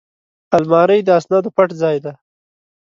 الماري د اسنادو پټ ځای دی